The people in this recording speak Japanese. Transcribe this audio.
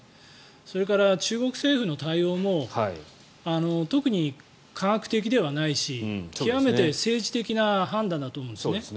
それから中国政府の対応も特に科学的ではないし極めて政治的な判断だと思うんですね。